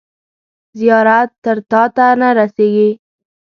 زیارت تر تاته نه رسیږي.